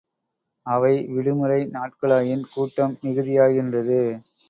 அவை விடுமுறை நாட்களாயின் கூட்டம் மிகுதியாகின்றது.